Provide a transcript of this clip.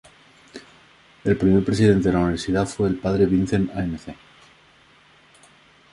El primer presidente de la universidad fue el padre Vincent A. Mc.